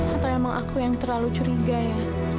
atau emang aku yang terlalu curiga ya